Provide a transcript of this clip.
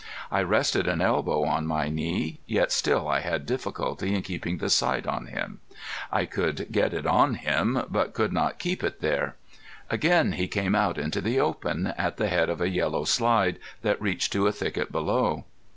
I rested an elbow on my knee, yet still I had difficulty in keeping the sight on him. I could get it on him, but could not keep it there. Again he came out into the open, at the head of a yellow slide, that reached to a thicket below.